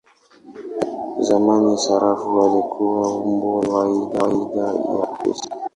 Zamani sarafu ilikuwa umbo la kawaida ya pesa.